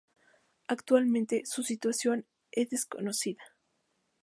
Actualmente su situación es desconocida.